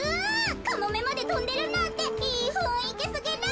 カモメまでとんでるなんていいふんいきすぎる！